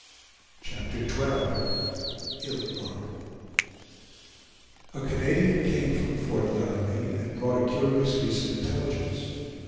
CHAPTER XII ILL LUCK A Canadian came from Fort Laramie, and brought a curious piece of intelligence.